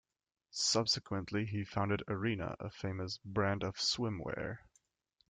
Subsequently he founded Arena, a famous brand of swimwear.